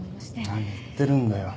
何言ってるんだよ